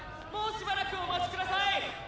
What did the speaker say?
もうしばらくお待ち下さい！」。